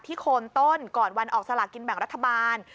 โคนต้นก่อนวันออกสลากินแบ่งรัฐบาล